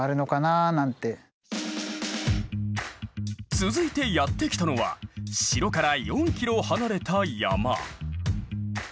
続いてやって来たのは城から４キロ離れた山。